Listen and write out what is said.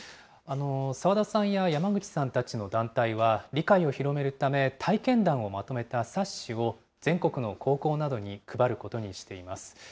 澤田さんや山口さんたちの団体は、理解を広めるため、体験談をまとめた冊子を、全国の高校などに配ることにしています。